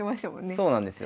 そうなんですよ。